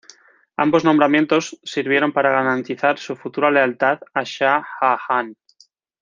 Ambos nombramientos sirvieron para garantizar su futura lealtad a Shah Jahan.